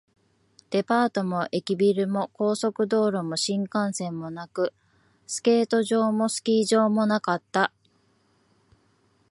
デパートも駅ビルも、高速道路も新幹線もなく、スケート場もスキー場もなかった